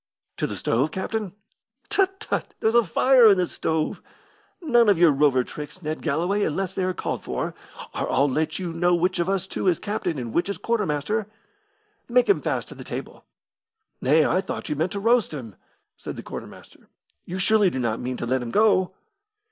"To the stove, captain?" "Tut, tut! there's a fire in the stove. None of your rover tricks, Ned Galloway, unless they are called for, or I'll let you know which of us two is captain and which is quartermaster. Make him fast to the table." "Nay, I thought you meant to roast him!" said the quartermaster. "You surely do not mean to let him go?"